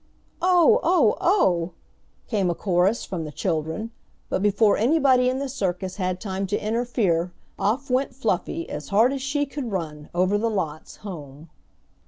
"Oh! oh! oh!" came a chorus from the children, but before anybody in the circus had time to interfere off went Fluffy, as hard as she could run, over the lots, home.